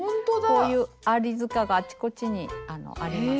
こういう「アリ塚」があちこちにあります。